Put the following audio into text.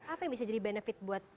apa yang bisa jadi benefit buat